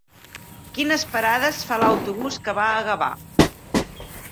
Quines parades fa l'autobús que va a Gavà?